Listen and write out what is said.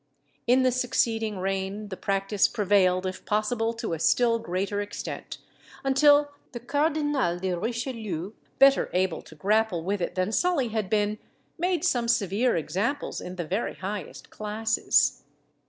In the succeeding reign the practice prevailed, if possible, to a still greater extent, until the Cardinal de Richelieu, better able to grapple with it than Sully had been, made some severe examples in the very highest classes.